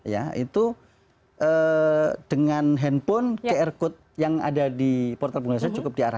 ya itu dengan handphone qr code yang ada di portal pengguna jasa cukup diambil ya